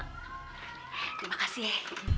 terima kasih ya